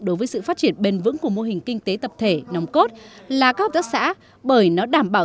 đối với sự phát triển bền vững của mô hình kinh tế tập thể nòng cốt là các hợp tác xã bởi nó đảm bảo